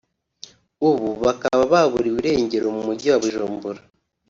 ubu bakaba baburiwe irengero mu mujyi wa Bujumbura